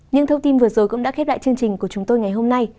những thông tin vừa rồi cũng đã khép lại chương trình của chúng tôi ngày hôm nay